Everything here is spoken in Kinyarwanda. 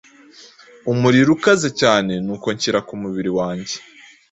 Umuriro ukaze cyane nuko nshyira kumubiri wanjye